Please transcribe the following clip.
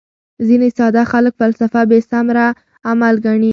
ځیني ساده خلک فلسفه بېثمره علم ګڼي.